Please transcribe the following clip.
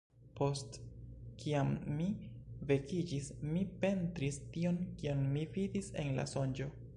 Post kiam mi vekiĝis, mi pentris tion, kion mi vidis en la sonĝo.